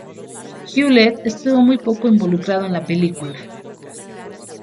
Hewlett estuvo muy poco involucrado en la película.